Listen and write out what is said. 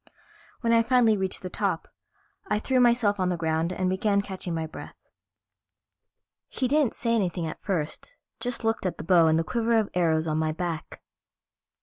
When I finally reached the top, I threw myself on the ground and began catching my breath. He didn't say anything at first, just looked at the bow and the quiver of arrows on my back.